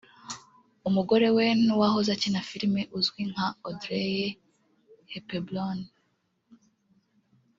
umugore we n’uwahoze akina filime uzwi nka Audrey Hepburn